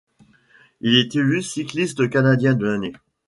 Il est élu cycliste canadien de l'année.